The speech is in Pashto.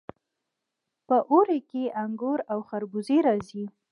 په اوړي کې انګور او خربوزې راځي.